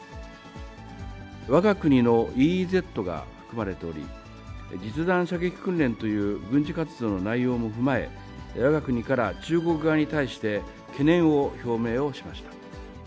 わが国のＥＥＺが含まれており、実弾射撃訓練という軍事活動の内容も踏まえ、わが国から中国側に対して、懸念を表明をしました。